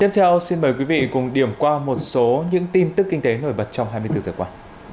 tiếp theo xin mời quý vị cùng điểm qua một số những tin tức kinh tế nổi bật trong hai mươi bốn giờ qua